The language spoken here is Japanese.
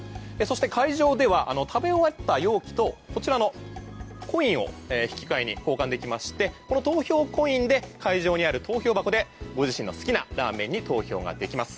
そして会場では食べ終わった容器とこちらのコインと引き換えに交換できましてこの投票コインで会場にある投票箱でご自身の好きなラーメンに投票ができます。